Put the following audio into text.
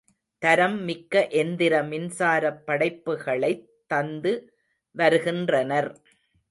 தரம் மிக்க எந்திர மின்சாரப் படைப்புகளைத் தந்து வருகின்றனர்.